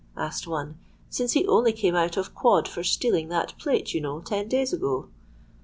asked one; 'since he only came out of quod for stealing that plate, you know, ten days ago.'